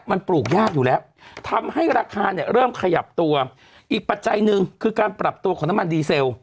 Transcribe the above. มันปลูกยากอยู่แล้วทำให้ราคาเนี่ยเริ่มขยับตัวอีกปัจจัยหนึ่งคือการปรับตัวของน้ำมันดีเซล